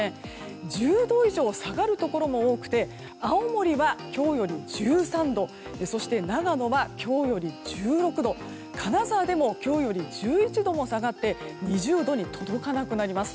１０度以上下がるところも多くて青森は今日より１３度そして、長野は今日より１６度金沢でも今日より１１度も下がって２０度に届かなくなります。